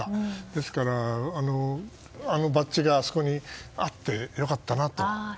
ですから、あのバッジがあそこにあって良かったなと。